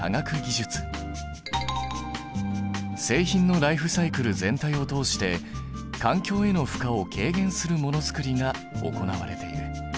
製品のライフサイクル全体を通して環境への負荷を軽減するモノづくりが行われている。